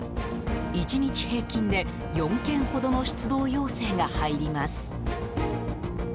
１日平均で４件ほどの出動要請が入ります。